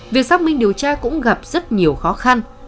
việc xác minh điều tra cũng gặp rất nhiều khó khăn